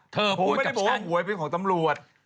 เธอพูดกับฉัน